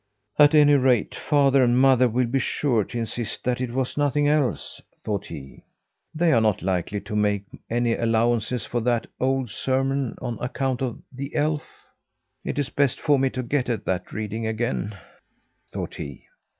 "At any rate, father and mother will be sure to insist that it was nothing else," thought he. "They are not likely to make any allowances for that old sermon, on account of the elf. It's best for me to get at that reading again," thought he.